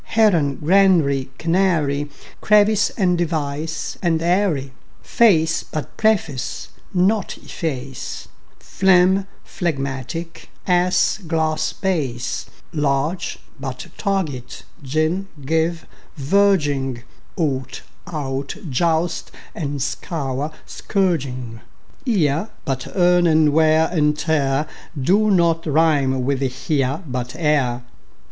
Heron; granary, canary; Crevice, and device, and eyrie; Face but preface, but efface, Phlegm, phlegmatic; ass, glass, bass; Large, but target, gin, give, verging; Ought, out, joust and scour, but scourging; Ear, but earn; and wear and tear Do not rime with "here", but "ere".